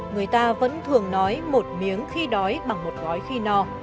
người ta vẫn thường nói một miếng khi đói bằng một gói khi no